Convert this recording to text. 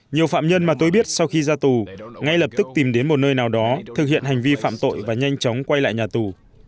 nhiều phạm nhân mà tôi biết sau khi ra tù ngay lập tức tìm đến một nơi nào đó thực hiện hành vi phạm tội và nhanh chóng quay lại nhà tù